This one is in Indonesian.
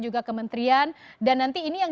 juga kementerian dan nanti ini yang